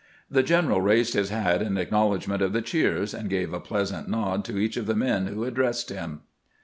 The general raised his hat in acknowledgment of the cheers, and gave a plea sant nod to each of the men who addressed him.